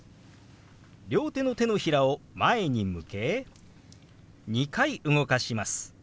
両手の手のひらを前に向け２回動かします。